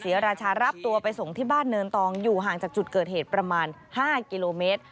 ราชารับตัวไปส่งที่บ้านเนินตองอยู่ห่างจากจุดเกิดเหตุประมาณ๕กิโลเมตร